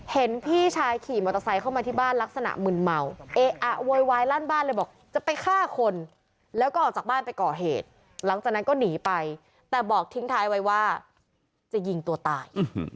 เห็นพี่ชายขี่มอเตอร์ไซค์เข้ามาที่บ้านลักษณะมึนเมาเออะโวยวายลั่นบ้านเลยบอกจะไปฆ่าคนแล้วก็ออกจากบ้านไปก่อเหตุหลังจากนั้นก็หนีไปแต่บอกทิ้งท้ายไว้ว่าจะยิงตัวตาย